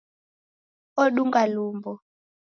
Odunga lumbo